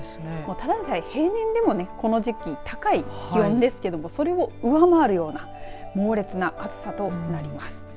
ただでさえ平年でもこの時期高い気温ですけどそれを上回るような猛烈な暑さとなります。